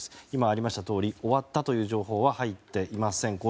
今ありましたとおり終わったという情報は入っていません。